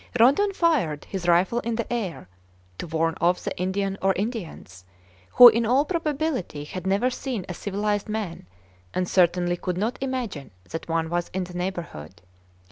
Rondon fired his rifle in the air, to warn off the Indian or Indians, who in all probability had never seen a civilized man, and certainly could not imagine that one was in the neighborhood.